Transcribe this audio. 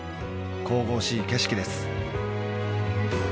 神々しい景色です